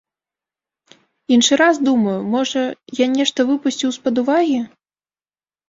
Іншы раз думаю, можа, я нешта выпусціў з-пад увагі.